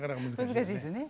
難しいですね。